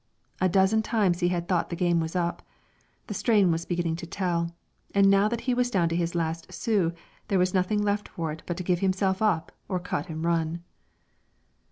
A dozen times he had thought the game was up. The strain was beginning to tell, and now that he was down to his last sou there was nothing left for it but to give himself up or cut and run.